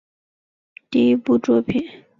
该游戏是魔兽争霸系列的第一部作品。